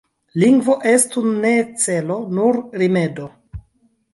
Lingvo estu ne celo, nur rimedo.